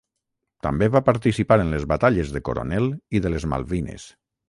També va participar en les batalles de Coronel i de les Malvines.